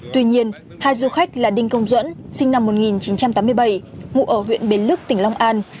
tuy nhiên hai du khách là đinh công duẫn sinh năm một nghìn chín trăm tám mươi bảy ngụ ở huyện bến lức tỉnh long an